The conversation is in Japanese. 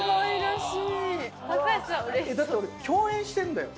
だって俺共演してるんだよ。